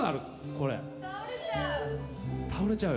これ。